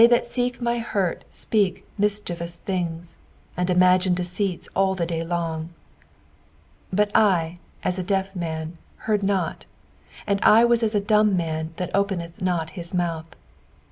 333 that seek my hurt speak mischievous things, and imagine deceits all the day long. 13 But I, as a deaf man, heard not ; and'/ was as a dumb'man tAat openeth not his mouth.